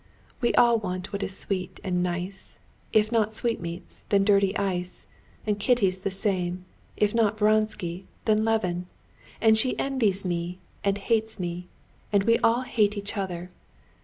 "We all want what is sweet and nice. If not sweetmeats, then a dirty ice. And Kitty's the same—if not Vronsky, then Levin. And she envies me, and hates me. And we all hate each other.